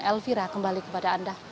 elvira kembali kepada anda